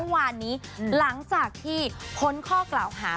เมื่อวานนี้หลังจากที่พ้นข้อกล่าวหา